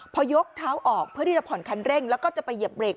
พอยกเท้าออกเพื่อที่จะผ่อนคันเร่งแล้วก็จะไปเหยียบเบรก